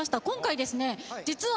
今回ですね。